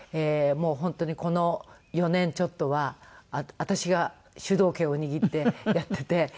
もう本当にこの４年ちょっとは私が主導権を握ってやってて。